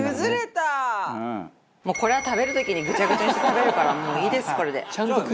これは食べる時にグチャグチャにして食べるからもういいですこれで。